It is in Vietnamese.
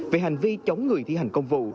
về hành vi chống người thi hành công vụ